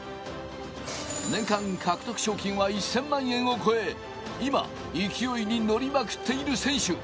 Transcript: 年間獲得賞金は１０００万円を超え、今勢いに乗りまくっている選手。